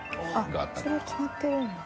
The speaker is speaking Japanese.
あっそれは決まってるんだ。